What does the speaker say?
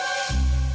kamu ngapain sih ki